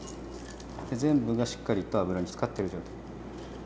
全部がしっかりと油につかっている状態。